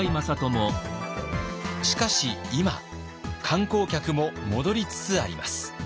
しかし今観光客も戻りつつあります。